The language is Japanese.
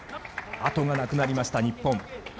後がなくなりました、日本。